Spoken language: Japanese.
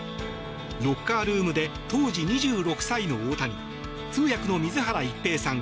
ロッカールームで当時２６歳の大谷通訳の水原一平さん